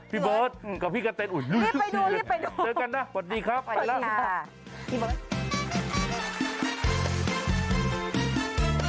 แล้วพี่กะเตนกับพี่เบิร์ท